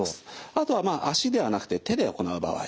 あとはまあ足ではなくて手で行う場合。